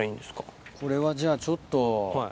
これはじゃあちょっと。